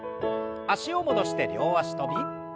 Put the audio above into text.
脚を戻して両脚跳び。